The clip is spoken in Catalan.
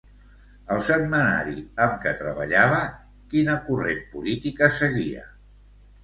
El setmanari amb què treballava quina corrent política seguia?